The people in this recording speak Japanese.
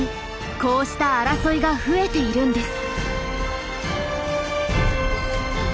こうした争いが増えているんです。